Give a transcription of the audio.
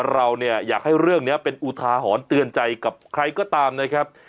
เราเนี่ยอยากให้เรื่องนี้เป็นอุทาหรณ์เตือนใจกับใครก็ตามนะครับ